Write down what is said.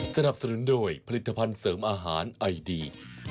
สนับสนุนโดยผลิตภัณฑ์เสริมอาหารไอดี